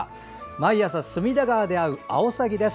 毎朝、隅田川で会うアオサギです。